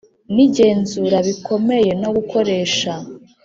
n igenzura bikomeye no gukoresha